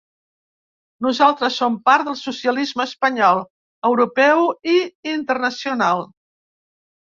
Nosaltres som part del socialisme espanyol, europeu i internacional.